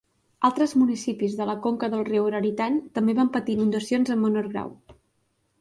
Altres municipis de la conca del riu Raritan també van patir inundacions en menor grau.